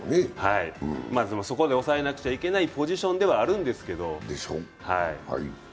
でもそこで抑えなくちゃいけないポジションではあるんですけど。